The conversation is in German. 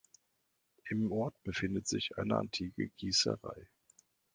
Im Ort befindet sich eine antike Gießerei.